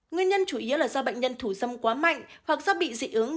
nguyên nhân chủ yếu là do bệnh nhân thủ dâm quá mạnh hoặc do bị dị ứng